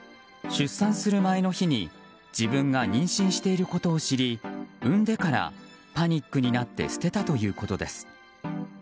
出産する前の日に自分が妊娠していることを知り産んでからパニックになって捨てたということです。